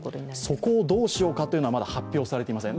そこをどうしようかというのは、まだ発表されていません。